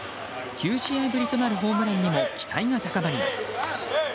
９試合ぶりとなるホームランにも期待が高まります。